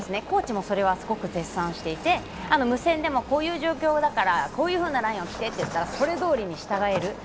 コーチもそれはすごく絶賛していて無線でも、こういう状況だからこういうラインをしてと言うとそれどおりに従える。